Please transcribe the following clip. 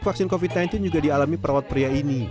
vaksin covid sembilan belas juga dialami perawat pria ini